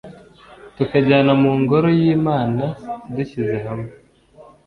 tukajyana mu ngoro y'imana dushyize hamwe